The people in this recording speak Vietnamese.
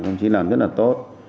cũng chỉ làm rất là tốt